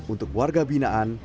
untuk warga binaan